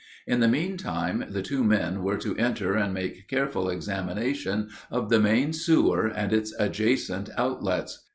In the mean time, the two men were to enter and make careful examination of the main sewer and its adjacent outlets.